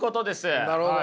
なるほど。